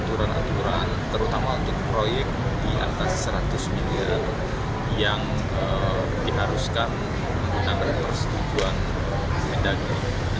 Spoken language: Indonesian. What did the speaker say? untuk proyek di atas seratus miliar yang diharuskan kita berpersetujuan mendagri